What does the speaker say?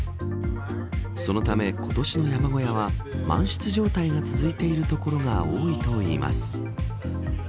そのため、今年の山小屋は満室状態が続いている所が多いといいます。